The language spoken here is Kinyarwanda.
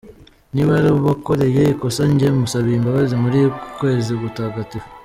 Niba yarabakoreye ikosa njye musabiye imbabazi muri uku kwezi gutagatifu.